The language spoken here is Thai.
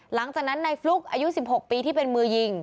หลังจากนั้นในฟลุ๊กอายุ๑๖ปีที่เป็นมือยิง